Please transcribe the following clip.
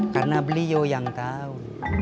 karena beliau yang tahu